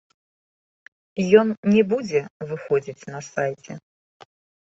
Ён не будзе выходзіць на сайце.